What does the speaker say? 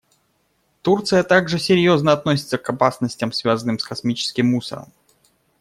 Турция также серьезно относится к опасностям, связанным с космическим мусором.